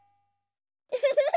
ウフフフ。